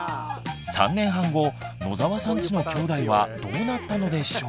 ３年半後野澤さんちのきょうだいはどうなったのでしょう。